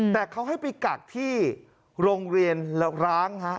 แต่เขาให้ไปกักที่โรงเรียนร้างฮะ